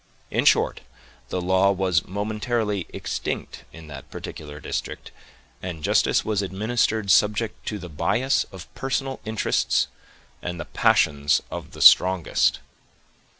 In short, the law was momentarily extinct in that particular district, and justice was administered subject to the bias of personal interests and the passions of the strongest.